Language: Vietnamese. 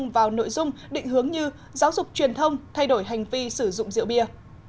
vào nội dung định hướng như giáo dục truyền thông thay đổi hành vi sử dụng rượu bia